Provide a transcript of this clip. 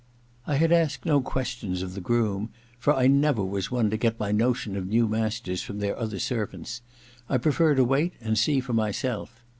I had asked no questions of the groom, for I never was one to get my notion of new masters from their other servants : I prefer to wait and see for myself.